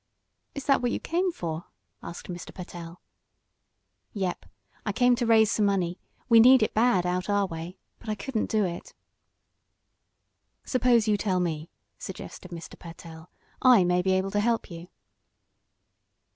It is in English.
"Is that what you came for?" asked Mr. Pertell. "Yep. I come to raise some money we need it bad, out our way, but I couldn't do it." "Suppose you tell me," suggested Mr. Pertell. "I may be able to help you."